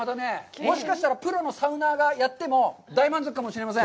もしかしたらプロのサウナーがやっても大満足かもしれません。